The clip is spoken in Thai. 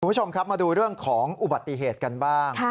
คุณผู้ชมครับมาดูเรื่องของอุบัติเหตุกันบ้าง